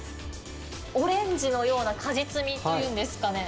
オレンジのような果実味というんですかね。